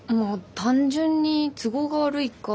単純に都合が悪いか。